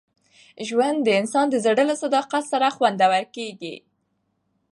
ژوند د انسان د زړه له صداقت سره خوندور کېږي.